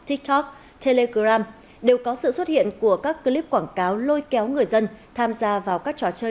tiktok telegram đều có sự xuất hiện của các clip quảng cáo lôi kéo người dân tham gia vào các trò chơi